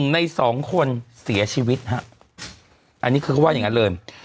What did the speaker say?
ใน๒คนเสียชีวิตฮะอันนี้คือเขาว่าอย่างนั้นเลย